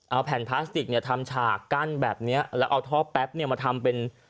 เอาแผ่นพลาสติกเนี่ยทำฉากกั้นแบบเนี้ยแล้วเอาท่อแป๊บเนี่ยมาทำเป็น